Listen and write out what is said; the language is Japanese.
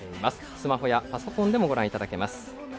スマホやパソコンでもご覧いただけます。